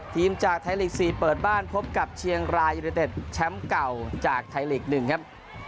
ทีมจากไทยฤกษ์สี่เปิดบ้านพบกับเชียงรายุณเต็มต์แชมป์เก่าจากไทยฤกษ์หนึ่งครับ